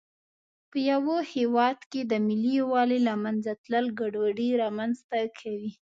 په یوه هېواد کې د ملي یووالي له منځه تلل ګډوډي رامنځته کوي.